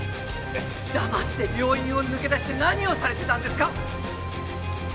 黙って病院を抜け出して何をされてたんですか？